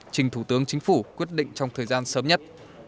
trình thủ tướng chính phủ quyết định trong thời gian sớm nhất